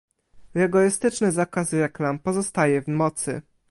Rygorystyczny zakaz reklam pozostaje w mocy